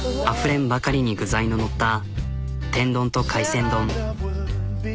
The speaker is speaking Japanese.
あふれんばかりに具材の載った天丼と海鮮丼。